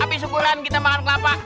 api syukuran kita makan kelapa